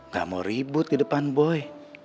gak mau ribut ke depan boy